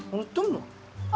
あ？